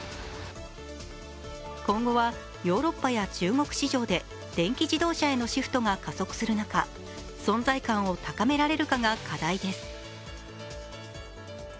今後は、ヨーロッパや中国市場で電気自動車へのシフトが加速する中、存在感を高められるかが課題です。